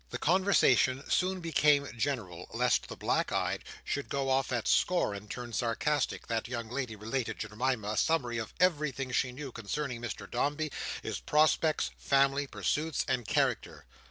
The conversation soon becoming general lest the black eyed should go off at score and turn sarcastic, that young lady related to Jemima a summary of everything she knew concerning Mr Dombey, his prospects, family, pursuits, and character.